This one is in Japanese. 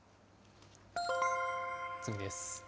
次です。